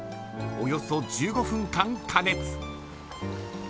およそ１５分間加熱。